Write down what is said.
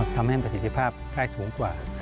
ทำให้ประสิทธิภาพได้สูงกว่า